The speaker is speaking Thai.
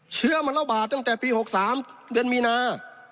เชื้อมันระบาดตั้งแต่ปี๖๓เดือนมีนา